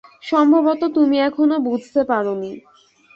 সম্ভবত তুমি এখনো বুঝতে পারোনি।